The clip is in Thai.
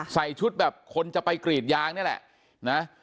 ใส่ชุดแบบคนจะไปกรีดยางนี่แหละนะ